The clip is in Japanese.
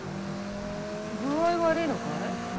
具合悪いのかい？